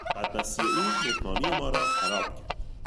بدمستی او مهمانی ما را خراب کرد.